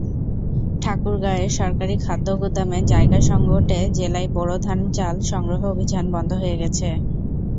ঠাকুরগাঁওয়ের সরকারি খাদ্যগুদামে জায়গা সংকটে জেলায় বোরো ধান-চাল সংগ্রহ অভিযান বন্ধ হয়ে গেছে।